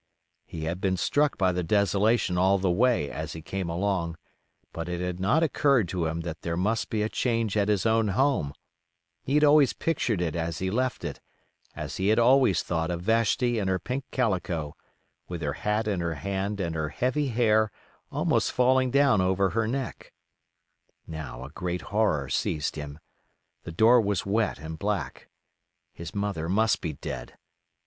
He had been struck by the desolation all the way as he came along; but it had not occurred to him that there must be a change at his own home; he had always pictured it as he left it, as he had always thought of Vashti in her pink calico, with her hat in her hand and her heavy hair almost falling down over her neck. Now a great horror seized him. The door was wet and black. His mother must be dead.